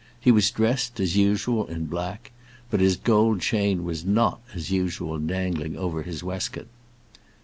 He was dressed, as usual, in black; but his gold chain was not, as usual, dangling over his waistcoat.